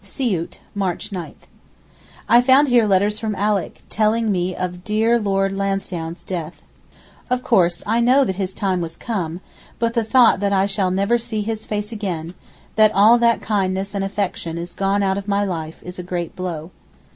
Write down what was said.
SIOUT, March 9. I found here letters from Alick, telling me of dear Lord Lansdowne's death. Of course I know that his time was come, but the thought that I shall never see his face again, that all that kindness and affection is gone out of my life, is a great blow.